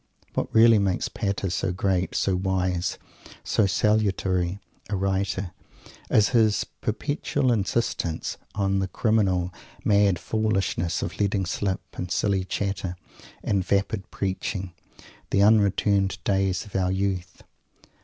What really makes Pater so great, so wise, so salutary a writer is his perpetual insistence on the criminal, mad foolishness of letting slip, in silly chatter and vapid preaching, the unreturning days of our youth!